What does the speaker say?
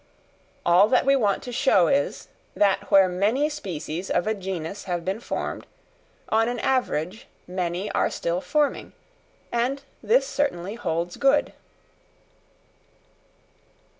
All that we want to show is, that where many species of a genus have been formed, on an average many are still forming; and this certainly holds good.